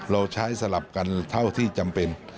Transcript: เราใช้สลับกันเท่าที่จำเป็น